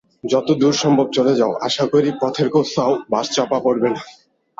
যত দূরে সম্ভব চলে যাও, আশা করি পথেই কোথাও বাস চাপা পড়বে না।